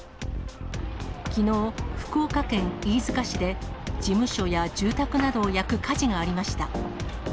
きのう、福岡県飯塚市で、事務所や住宅などを焼く火事がありました。